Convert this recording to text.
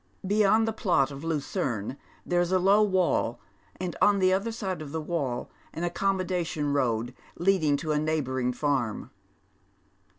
Beyond the plot of lucerne there is a low wall, and on the other side of the wall an accommodation road leading to a neighbouring farm.